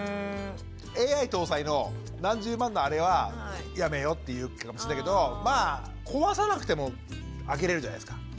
ＡＩ搭載の何十万のアレはやめようって言うかもしれないけどまあ壊さなくても開けれるじゃないですか。